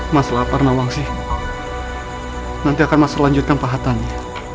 mas lapar nawangsi nanti akan mas selanjutkan pahatannya